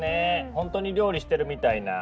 本当に料理してるみたいな。